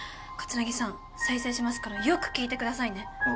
桂木さん再生しますからよく聞いてくださいね。